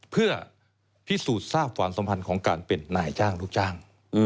เพื่อพิสูจน์ทราบความสัมพันธ์ของการเป็นนายจ้างลูกจ้าง